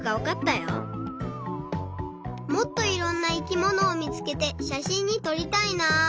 もっといろんな生きものをみつけてしゃしんにとりたいな。